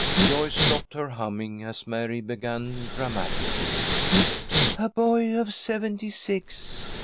Joyce stopped her humming as Mary began dramatically: "'A Boy of Seventy six.'